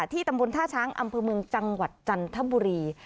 ตำบลท่าช้างอำเภอเมืองจังหวัดจันทบุรี